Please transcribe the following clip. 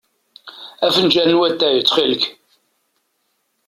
Afenǧal n watay, ttxil-k.